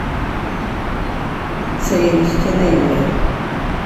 D tayri-k kan ay bɣiɣ.